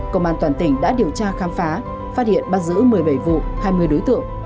công an toàn tỉnh đã điều tra khám phá phát hiện bắt giữ một mươi bảy vụ hai mươi đối tượng